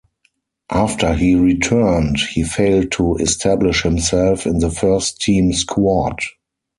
After he returned, he failed to establish himself in the first team squad.